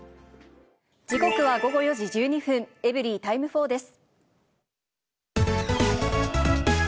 時刻は午後４時１２分、エブリィタイム４です。